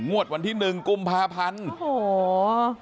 งวดวันที่๑กุมพาพันธุ์